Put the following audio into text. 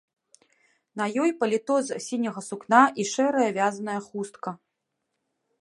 На ёй паліто з сіняга сукна і шэрая вязаная хустка.